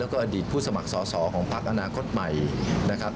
แล้วก็อดีตผู้สมัครสอสอของพักอนาคตใหม่นะครับ